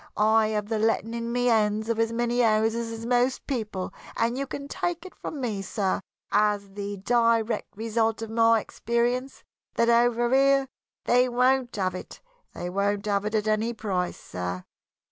I have the letting in my hands of as many houses as most people, and you can take it from me, sir, as the direct result of my experience, that over here they won't have it won't have it at any price, sir.